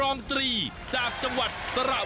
พรุ่งนี้๕สิงหาคมจะเป็นของใคร